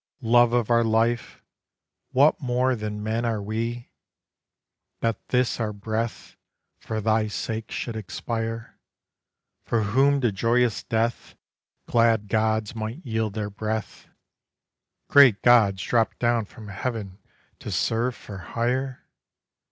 Love of our life, what more than men are we, That this our breath for thy sake should expire, For whom to joyous death Glad gods might yield their breath, Great gods drop down from heaven to serve for hire?